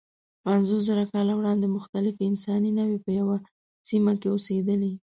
پنځوسزره کاله وړاندې مختلفې انساني نوعې په یوه سیمه کې اوسېدلې.